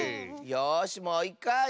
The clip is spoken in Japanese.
よしもういっかい！